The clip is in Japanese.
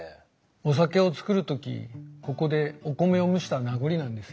お酒を造る時ここでお米を蒸した名残なんですよ。